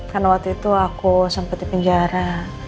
karena waktu itu aku sempet di penjara